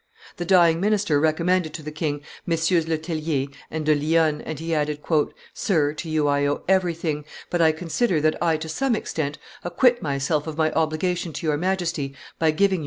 The dying minister recommended to the king MM. Le Tellier and de Lionne, and he added, "Sir, to you I owe everything; but I consider that I to some extent acquit myself of my obligation to your Majesty by giving you M.